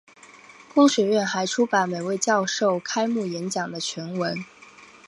公学院还出版每位教授开幕演讲的全文。